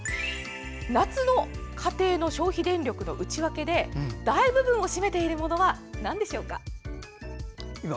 夏の家庭の消費電力の内訳で大部分を占めているのはなんでしょうか？